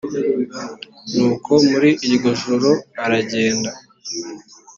nuko muri iryo joro aragenda.